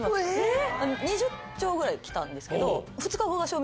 ぐらい来たんですけど。